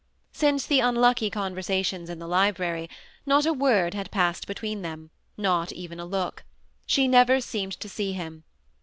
Since the unlucky conversation in the library, not a word had passed between them, not even a look ; she never seemed to see him.